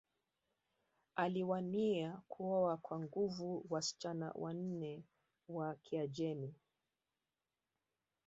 Aliwania kuoa kwa nguvu wasichana wanne wa Kiajemi